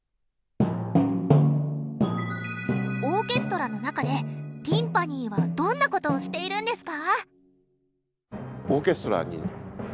オーケストラの中でティンパニーはどんなことをしているんですか？